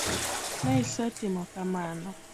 Ne isetimo kamano.